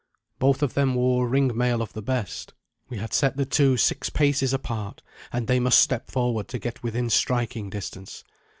Both of them wore ring mail of the best. We had set the two six paces apart, and they must step forward to get within striking distance.